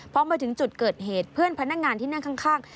พอมาถึงจุดเกิดเหตุเพื่อนพนักงานที่นั่งข้าง